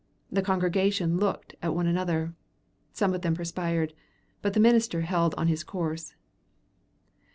The congregation looked at one another. Some of them perspired. But the minister held on his course.